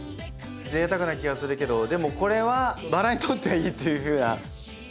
贅沢な気がするけどでもこれはバラにとってはいいっていうふうな。